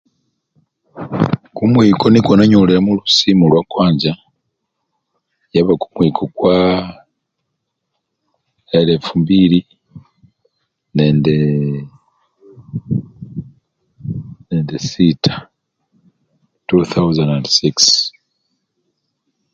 Kumwiko nikwo nanyolelamo lusimu lwakwanza yaba kumwiko kwaa! elefu mbili nendeee! nende siita (2006).